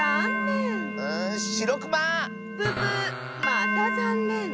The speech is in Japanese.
またざんねん。